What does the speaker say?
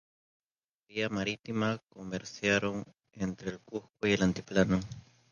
Por vía marítima, comerciaron entre el Cusco y el Altiplano.